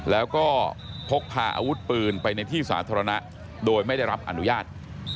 แล้วก็พกพาอาวุธปืนไปในที่สาธารณะโดยไม่ได้รับอนุญาต